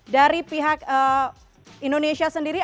dari pihak indonesia sendiri